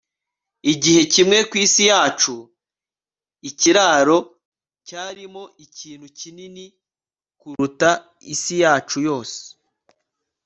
igihe kimwe ku isi yacu, ikiraro cyarimo ikintu kinini kuruta isi yacu yose